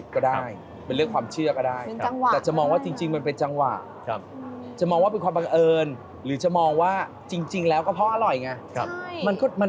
ถ้าไม่อร่อยคงไม่มีใครคิดจะอยากได้สูตรของมัน